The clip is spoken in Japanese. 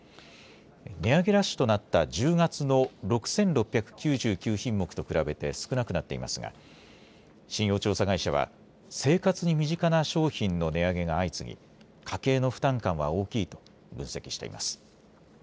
値上げラッシュとなった１０月の６６９９品目と比べて少なくなっていますが信用調査会社は生活に身近な商品の値上げが相次ぎ、家計の負担感は大きいと分析しています。